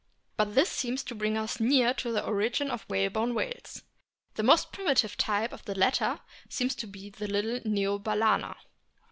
But this seems to bring us no nearer to the origin of the whalebone whales. The most primitive type of the latter seems to be the little Neobalezna.